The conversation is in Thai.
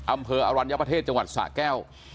อำเภออรัญญประเทศจังหวัดสะแก้ว